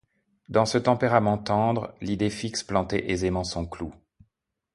Dans ce tempérament tendre, l’idée fixe plantait aisément son clou.